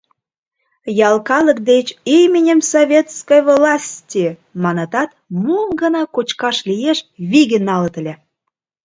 Ял калык деч «Именем Советской власти!» манытат, мом гына кочкаш лиеш, виге налыт ыле.